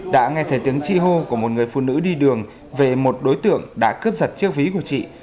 đã nghe thấy tiếng chi hô của một người phụ nữ đi đường về một đối tượng đã cướp giật chiếc ví của chị